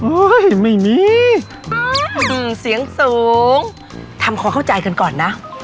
โอ้ยไม่มีอืมเสียงสูงทำขอเข้าใจกันก่อนนะ